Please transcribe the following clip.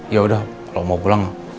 yaudah kalo mau pulang